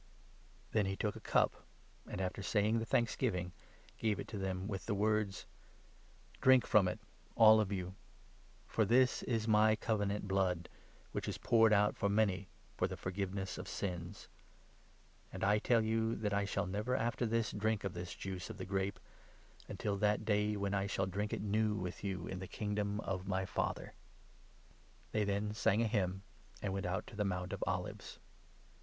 Then he took a cup, and, after saying the thanksgiving, gave it to them, with the words :" Drink from it, all of you ; for this is my Covenant blood, which is poured out for many for the forgiveness of sins. And I tell you that I shall never, after this, drink of this juice of the grape, until that day when I shall drink it new with you in the Kingdom of my Father." p*ter*s Fail They then sang a hymn, and went out to roretoid. the Mount of Olives.